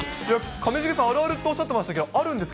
上重さん、あるあるっておっしゃってましたけど、あるんですか？